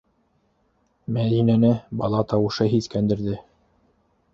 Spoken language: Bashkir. - Мәҙинәне бала тауышы һиҫкәндерҙе.